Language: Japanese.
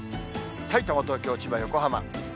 さいたま、東京、千葉、横浜。